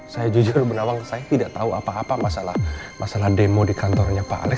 saya jujur menawang saya tidak tahu apa apa masalah demo di kantornya pak alex